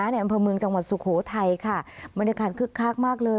ในอำเภอเมืองจังหวัดสุโขทัยค่ะบรรยากาศคึกคักมากเลย